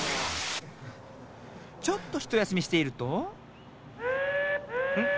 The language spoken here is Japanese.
ちょっとひとやすみしているとん？